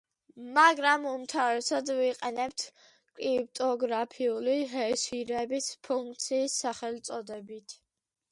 მაგრამ უმთავრესად ვიყენებთ კრიპტოგრაფიული ჰეშირების ფუნქციის სახელწოდებით.